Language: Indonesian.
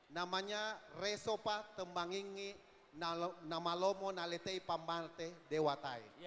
namanya resopa tembangingi nama lomo nalitei pamate dewatai